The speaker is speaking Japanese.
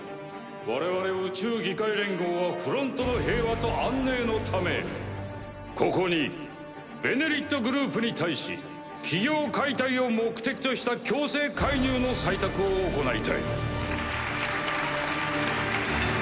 我々宇宙議会連合はフロントの平和と安寧のためここに「ベネリット」グループに対し企業解体を目的とした強制介入の採択を行いたい。